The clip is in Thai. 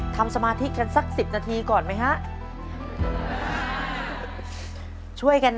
สมาธิกันสัก๑๐นาทีก่อนไหมฮะ